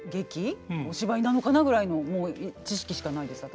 お芝居なのかなぐらいのもう知識しかないです私。